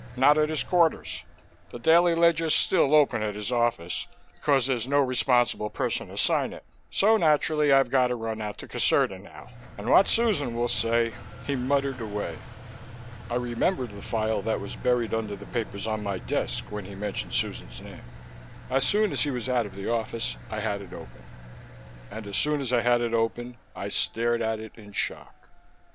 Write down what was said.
Not at his quarters. The daily ledger's still open at his office, because there's no responsible person to sign it. So naturally I've got to run out to Caserta now, and what Susan will say " He muttered away. I remembered the file that was buried under the papers on my desk, when he mentioned Susan's name. As soon as he was out of the office, I had it open. And as soon as I had it open, I stared at it in shock.